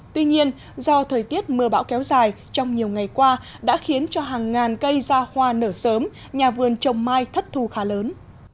tuy nhiên do thời tiết mưa bão kéo dài trong nhiều ngày qua đã khiến cho hàng ngàn cây ra hoa nở sớm nhà vườn trồng mai thất thu khá lớn